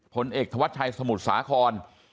พลเอกทวัชชัยสมุทธ์สาขอน